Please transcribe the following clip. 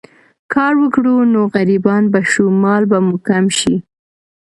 کار وکړو نو غريبان به شو، مال به مو کم شي